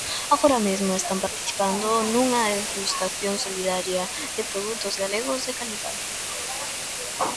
Agora mesmo están participando nunha degustación solidaria de produtos galegos de calidade.